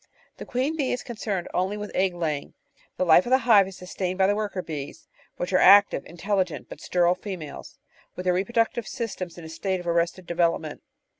The queen bee is concerned only with egg laying; the life of the hive is sustained by the worker bees, which are active, in telligent, but sterile females, with their reproductive systems in a state of arrested development.